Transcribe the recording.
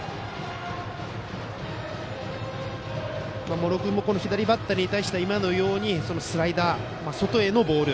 茂呂君も左バッターに対しては今のようにスライダー、外へのボール。